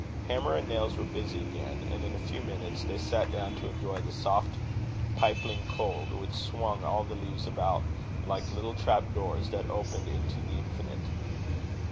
Hammer and nails were busy again; and in a few minutes they sat down to enjoy the "soft pipling cold" which swung all the leaves about like little trap doors that opened into the Infinite.